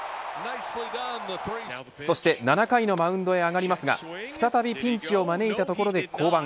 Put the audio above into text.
そして７回のマウンドへ上がりますが再びピンチを招いたところで降板。